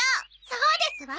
そうですわ。